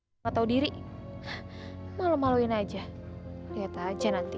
nggak tau diri malu maluin aja liat aja nanti